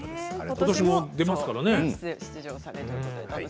ことしも出ますからね。